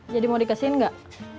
jadi mau dikasihin gak